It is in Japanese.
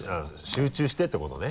集中してってことね。